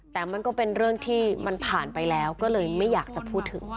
แต่มันก็เป็นเรื่องที่มันผ่านไปแล้วก็เลยไม่อยากจะพูดถึง